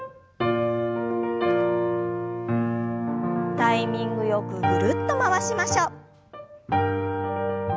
タイミングよくぐるっと回しましょう。